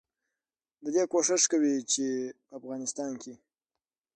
ددې کوشش کوي چې په افغانستان